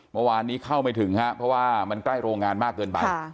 เมื่อวานนี้เข้าไม่ถึงครับเพราะว่ามันใกล้โรงงานมากเกินไป